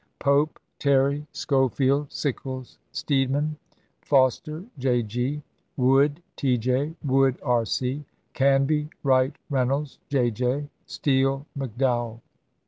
Pope, Terry, Schofield, Sickles, Steedman, Foster (J. G .), Wood (T. J.),Wood (R. C), Canby, Wright, Reynolds (J. J.), Steele, McDowell.